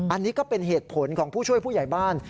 อันนี้ก็เป็นเหตุผลของผู้ช่วยผู้ใหญ่บ้าน